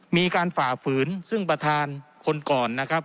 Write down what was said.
ฝ่าฝืนซึ่งประธานคนก่อนนะครับ